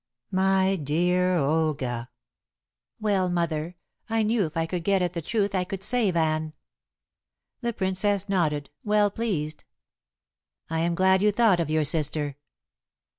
"My dear Olga!" "Well, mother, I knew if I could get at the truth I could save Anne." The Princess nodded, well pleased. "I am glad you thought of your sister."